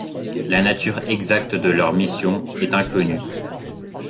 La nature exacte de leur mission est inconnue.